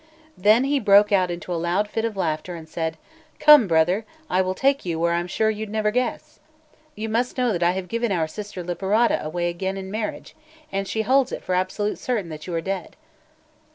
Then he broke out into a loud fit of laughter, and said: "Come, brother, I will take you where I'm sure you'd never guess! You must know that I have given our sister Liperata away again in marriage, and she holds it for absolutely certain that you are dead."